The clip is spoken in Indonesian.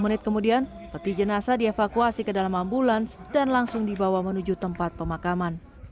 dua puluh menit kemudian peti jenazah dievakuasi ke dalam ambulans dan langsung dibawa menuju tempat pemakaman